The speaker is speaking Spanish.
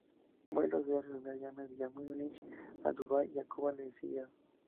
Vuelos diarios a Miami vía Múnich, a Dubái y a Cuba le siguieron.